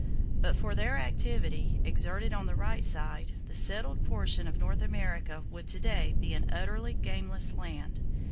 But for their activity, exerted on the right side, the settled portion of North America would to day be an utterly gameless land!